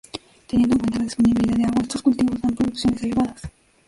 Teniendo en cuenta la disponibilidad de agua, estos cultivos dan producciones elevadas.